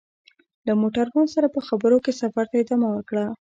له موټروان سره په خبرو کې سفر ته ادامه ورکړه.